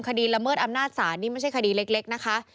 ละเมิดอำนาจศาลนี่ไม่ใช่คดีเล็กนะคะ